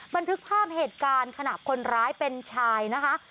บันทึกภาพเหตุการณ์ขณะคนร้ายเป็นชายนะคะ